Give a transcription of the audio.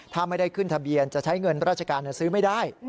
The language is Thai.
ถ้าไม่ได้ขึ้นทะเบียนจะใช้เงินราชการซื้อไม่ได้